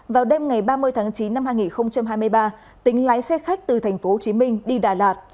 vào đêm ngày ba mươi tháng chín năm hai nghìn hai mươi ba tính lái xe khách từ tp hcm đi đà lạt